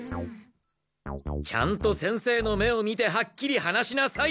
ちゃんと先生の目を見てはっきり話しなさい！